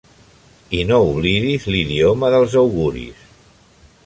I no oblidis l'idioma dels auguris.